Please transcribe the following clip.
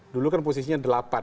dulu kan posisinya delapan